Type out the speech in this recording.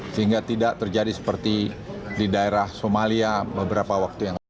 sehingga tidak terjadi seperti di daerah somalia beberapa waktu yang lalu